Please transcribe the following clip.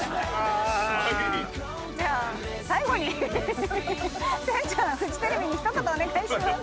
じゃあ最後に千ちゃんフジテレビに一言お願いします。